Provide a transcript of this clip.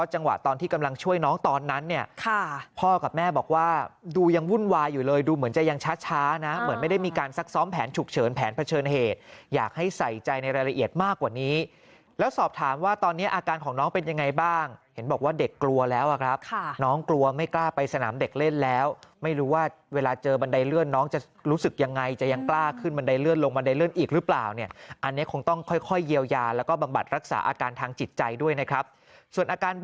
ให้ใส่ใจในรายละเอียดมากกว่านี้แล้วสอบถามว่าตอนนี้อาการของน้องเป็นยังไงบ้างเห็นบอกว่าเด็กกลัวแล้วครับน้องกลัวไม่กล้าไปสนามเด็กเล่นแล้วไม่รู้ว่าเวลาเจอบันไดเลื่อนน้องจะรู้สึกยังไงจะยังกล้าขึ้นบันไดเลื่อนลงบันไดเลื่อนอีกหรือเปล่าเนี่ยอันนี้คงต้องค่อยเยียวยาแล้วก็บังบัดรักษาอาการ